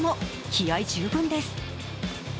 気合い十分です。